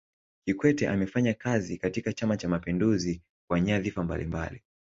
kikwete amefanya kazi katika chama cha mapinduzi kwa nyadhifa mbalimbali